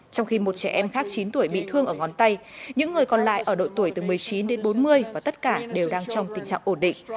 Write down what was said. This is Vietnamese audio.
trong khi một trẻ em khác chín tuổi bị thương ở ngón tay những người còn lại ở độ tuổi từ một mươi chín đến bốn mươi và tất cả đều đang trong tình trạng ổn định